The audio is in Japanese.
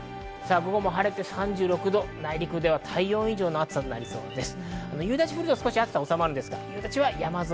晴れて３６度、内陸では体温以上の暑さになりそうです。